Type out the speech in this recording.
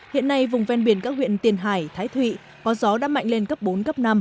hiện nay vùng ven biển các huyện tiền hải thái thụy có gió đã mạnh lên cấp bốn cấp năm